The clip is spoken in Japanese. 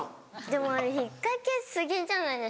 でもあれ引っかけ過ぎじゃないですか？